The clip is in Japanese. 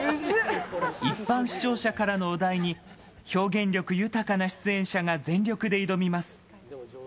一般視聴者からのお題に、表現力豊かな出演者が全力で挑みます。